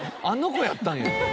あの子やったんや。